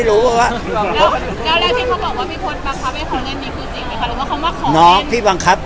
หรือเขามาขอเล่น